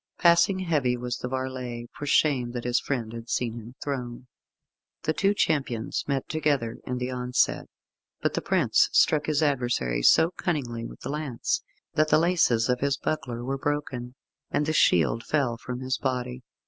Passing heavy was the varlet, for shame that his friend had seen him thrown. The two champions met together in the onset, but the prince struck his adversary so cunningly with the lance, that the laces of his buckler were broken, and the shield fell from his body.